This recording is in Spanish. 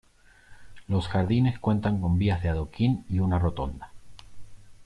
Los jardines cuentan con vías de adoquín y una rotonda.